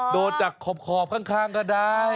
โดนจากขอบข้างก็ได้